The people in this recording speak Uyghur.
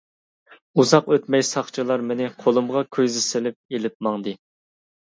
ئۇزاق ئۆتمەي ساقچىلار مېنى قولۇمغا كويزا سېلىپ ئېلىپ ماڭدى.